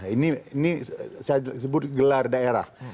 ini saya sebut gelar daerah